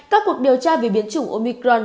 các cuộc điều tra về biến chủng omicron